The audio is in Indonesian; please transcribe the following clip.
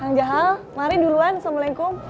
kang jaha mari duluan assalamualaikum